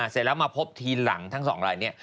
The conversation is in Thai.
เสร็จแล้วมาพบทีหลังทั้งสองรายนี้